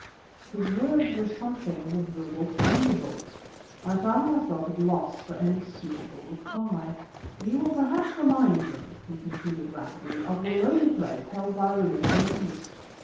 His words were something of a verbal thunderbolt; I found myself at loss for any suitable reply. "You will perhaps remind me," he continued rapidly, "of the lowly place held by women in the East.